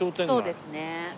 そうですね。